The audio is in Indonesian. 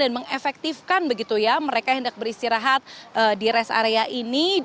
dan mengefektifkan begitu ya mereka yang hendak beristirahat di res area ini